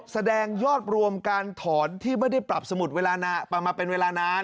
แสดงยอดรวมการถอนที่ไม่ได้ปรับสมุดเวลามาเป็นเวลานาน